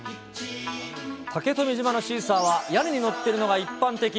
竹富島のシーサーは、屋根に乗ってるのが一般的。